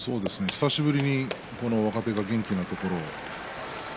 久しぶりに若手が元気なところ。